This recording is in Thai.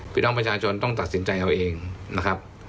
พี่น้องประชาชนต้องตัดสินใจเอาเองนะครับ